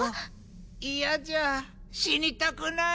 嫌じゃ死にたくない。